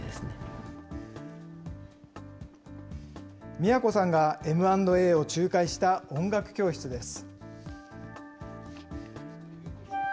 都さんがＭ＆Ａを仲介した音楽教室です。